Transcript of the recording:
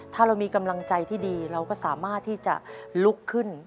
ถ้าเรามีกำลังใจที่ดีเราก็สามารถที่จะลุกขึ้น